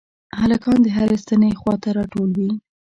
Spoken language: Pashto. هلکان د هرې ستنې خواته راټول وي.